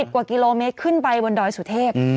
กว่ากิโลเมตรขึ้นไปบนดอยสุเทพ